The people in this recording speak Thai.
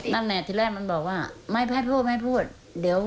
นั่นในแรกมันบอกว่าไม่พูดไม่พูด